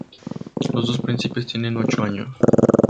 Los dos príncipes tienen ocho años.